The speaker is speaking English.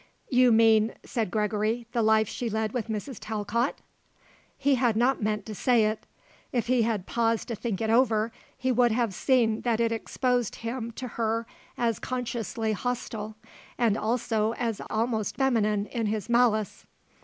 "You mean," said Gregory, "the life she led with Mrs. Talcott?" He had not meant to say it. If he had paused to think it over he would have seen that it exposed him to her as consciously hostile and also as almost feminine in his malice.